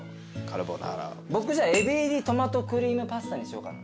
僕じゃあエビ入りトマトクリームパスタにしようかな。